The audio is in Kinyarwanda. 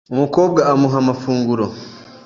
Umukobwa amuha amafunguro